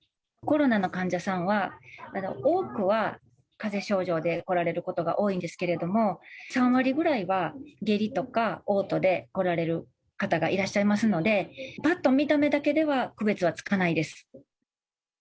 コロナの患者さんは、多くはかぜ症状で来られることが多いんですけれども、３割ぐらいは下痢とかおう吐で来られる方がいらっしゃいますので、ぱっと見た目だけでは区別はつかないです。